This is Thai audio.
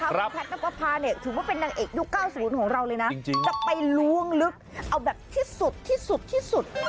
ครับเค้าแพทย์นักภาษณ์ถือว่าเป็นนางเอกยุค๙๐ของเราเลยนะจริงจะไปรวงลึกเอาแบบที่สุดที่สุดที่สุด